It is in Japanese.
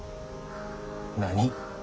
何？